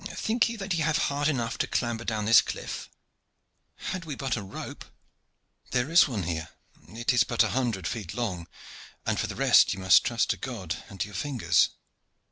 Think ye that ye have heart enough to clamber down this cliff?" "Had we but a rope." "There is one here. It is but one hundred feet long, and for the rest ye must trust to God and to your fingers.